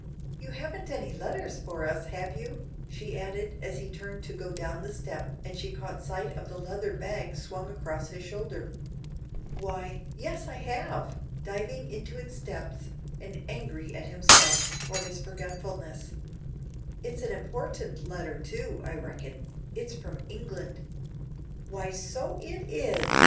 "You haven't any letters for us, have you?" she added, as he turned to go down the step and she caught sight of the leather bag swung across his shoulder. "Why, yes, I have," diving into its depths, and angry at himself for his forgetfulness; "it's an important letter, too, I reckon; it's from England." "Why, so it is!"